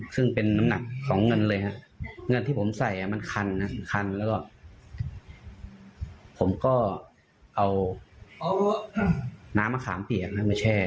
ซึ่งเป็นน้ำหนักของเงินเลยฮะเงินที่ผมใส่มันคันนะคันแล้วก็ผมก็เอาน้ำมะขามเปียกมาแช่